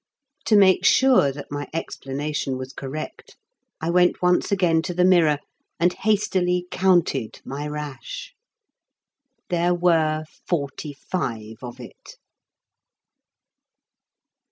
To make sure that my explanation was correct I went once again to the mirror and hastily counted my rash. There were forty five of it!